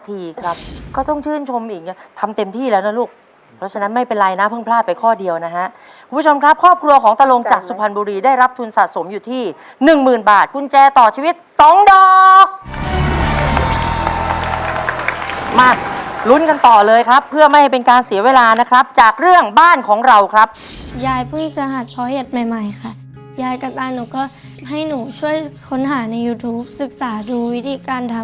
ได้ครับก็ต้องชื่นชมอย่างเดี่ยวทำเต็มที่แล้วนะลูกเพราะฉะนั้นไม่เป็นไรนะเพิ่งพลาดไปข้อเดียวนะฮะคุณผู้ชมครับครอบครัวของตลงจากสุพรรณบุรีได้รับทุนสะสมอยู่ที่หนึ่งหมื่นบาทกุญแจต่อชีวิตสองดอกมารุ้นกันต่อเลยครับเพื่อไม่ให้เป็นการเสียเวลานะครับจากเรื่องบ้านของเร๑๙๕ใบบ๑๗๕ใบ